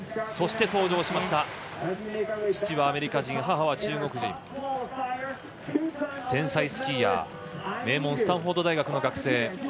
そして登場しました父はアメリカ人母は中国人天才スキーヤー名門スタンフォード大学の学生。